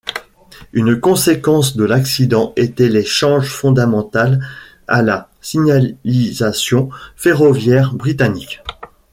Une conséquence de l'accident était les changes fondamentales à la signalisation ferroviaire britannique.